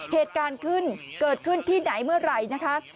เหตุการณ์ขึ้นเกิดขึ้นที่ไหนเมื่อไหร่นะคะ